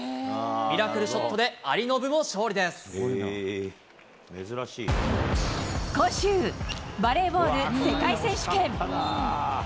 ミラクルショットで、今週、バレーボール世界選手権。